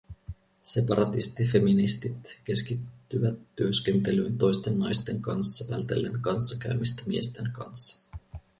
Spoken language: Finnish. Separatistifeministit keskittyvät työskentelyyn toisten naisten kanssa vältellen kanssakäymistä miesten kanssa